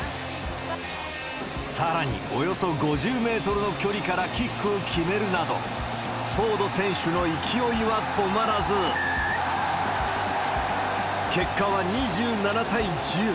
さらに、およそ５０メートルの距離からキックを決めるなど、フォード選手の勢いは止まらず、結果は２７対１０。